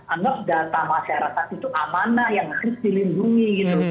anggap data masyarakat itu amanah yang harus dilindungi gitu